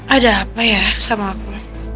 ada apa ya sama aku